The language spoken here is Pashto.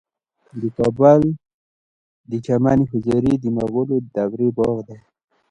د کابل د چمن حضوري د مغلو دورې باغ دی